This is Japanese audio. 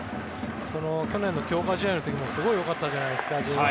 去年の強化試合の時もすごく良かったじゃないですか。